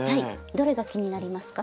どれが気になりますか？